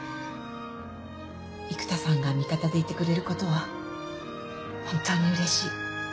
育田さんが味方でいてくれることは本当にうれしい。